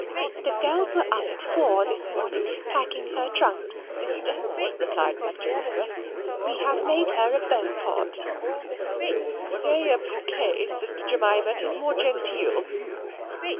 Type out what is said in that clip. "The girls were up at four this morning, packing her trunks, sister," replied Miss Jemima; "we have made her a bow pot." "Say a bouquet, sister Jemima, 'tis more genteel."